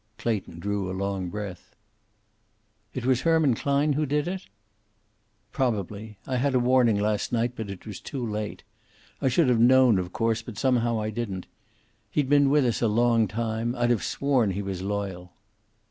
Clayton drew a long breath. "It was Herman Klein who did it?" "Probably. I had a warning last night, but it was too late. I should have known, of course, but somehow I didn't. He'd been with us a long time. I'd have sworn he was loyal."